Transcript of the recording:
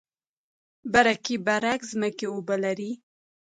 برکي برک ځمکې اوبه لري؟